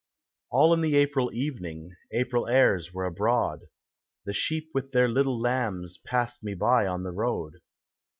All in the April evening, April airs were abroad, The sheep with their little lambs Passed me by on the road.